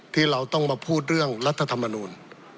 ที่เราต้องมาพูดเรื่องรัฐธรรมนูล